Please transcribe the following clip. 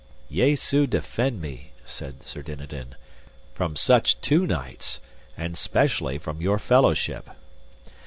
Jesu defend me, said Sir Dinadan, from such two knights, and specially from your fellowship.